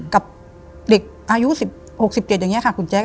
กับเด็กอายุ๑๖๑๗อย่างนี้ค่ะคุณแจ๊